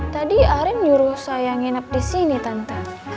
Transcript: tadi arin nyuruh saya nginep disini tante